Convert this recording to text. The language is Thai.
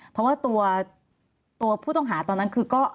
เพราะว่าตัวผู้ต้องหาตอนนั้นคือก็